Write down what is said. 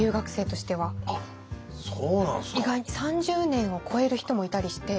３０年を超える人もいたりして。